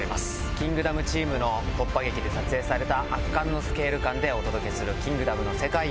『キングダム』チームの突破劇で撮影された圧巻のスケール感でお届けする『キングダム』の世界を。